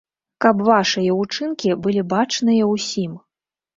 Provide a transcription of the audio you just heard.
Каб вашыя ўчынкі былі бачныя ўсім.